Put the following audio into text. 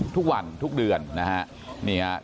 ทุกวันทุกเดือนนะฮะ